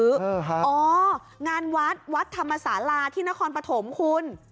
อ๋อฮะอ๋องานวัดวัดธรรมศาลาที่นครปฐมคุณ